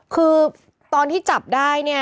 คือตอนที่จับได้เนี่ย